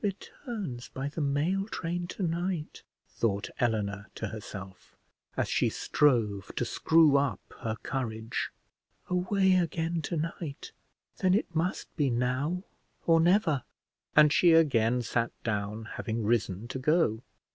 Returns by the mail train tonight, thought Eleanor to herself, as she strove to screw up her courage; away again tonight; then it must be now or never; and she again sat down, having risen to go.